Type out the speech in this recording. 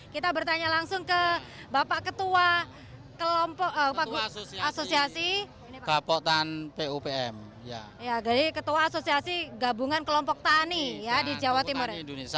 kita bertanya langsung ke bapak ketua kelompok asosiasi gabungan kelompok tani di jawa timur